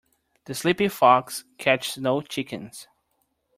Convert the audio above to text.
The sleepy fox catches no chickens.